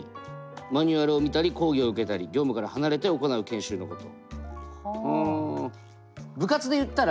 マニュアルを見たり講義を受けたり業務から離れて行う研修のこと。